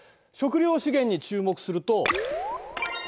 食料資源に注目すると。